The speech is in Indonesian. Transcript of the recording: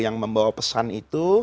yang membawa pesan itu